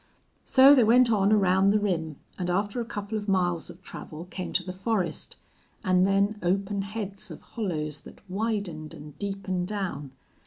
So they went on around the rim, and after a couple of miles of travel came to the forest, and then open heads of hollows that widened and deepened down.